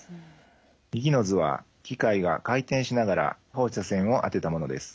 右の図は機械が回転しながら放射線を当てたものです。